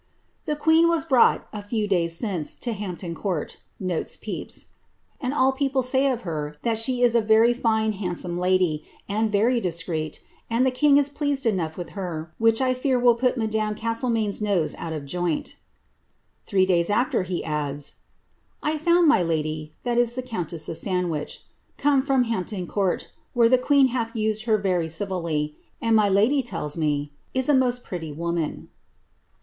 ^The queen was brought, a few day^ since, to Hampton Court,'' notes Pepyi; ^ and all people say of her that she is a very fine handsome lady, aod very discreet, and that the king is pleased enough with her, which I fetf will put madame Castlemaine's nose out of joint.'' Three days afteff he adds, ^* I found my lady (the countess of Sandwich) come fioa Hampton Court, where the (jucen hath used her very civilly, and, my lady tells me, ^ is a most pretty woman.'